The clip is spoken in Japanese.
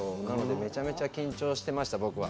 めちゃめちゃ緊張してました僕は。